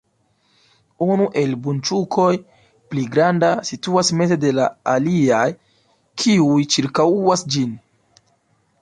Unu el bunĉukoj, pli granda, situas meze de la aliaj, kiuj ĉirkaŭas ĝin.